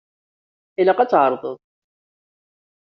Ilaq ad t-tɛerḍeḍ.